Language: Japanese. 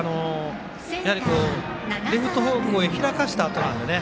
やはり、レフト方向へ開かせたあとなんでね。